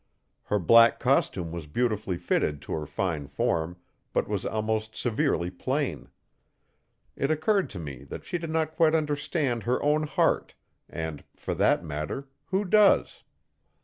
Her black costume was beautifully fitted to her fine form, but was almost severely plain. It occurred to me that she did not quite understand her own heart, and, for that matter, who does?